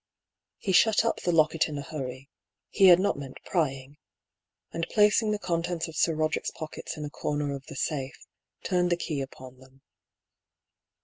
He shut up the locket in a hurry — he had not meant 4 BR. PAULL'S THEORY. prying — and placing the contents of Sir Roderick's pockets in a comer of the safe, turned the key upon them.